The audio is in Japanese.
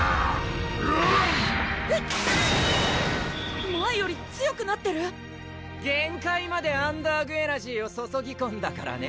フッ前より強くなってる⁉限界までアンダーグ・エナジーを注ぎこんだからね